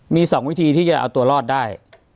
มี๒วิธีที่จะเอาตัวรอดได้